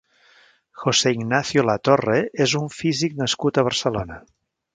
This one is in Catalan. José Ignacio Latorre és un físic nascut a Barcelona.